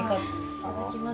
いただきます。